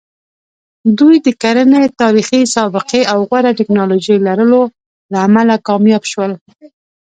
دوی د کرنې تاریخي سابقې او غوره ټکنالوژۍ لرلو له امله کامیاب شول.